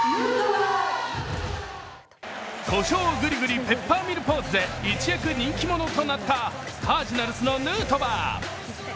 こしょうグリグリペッパーミルポーズで一躍人気者となったカージナルスのヌートバー。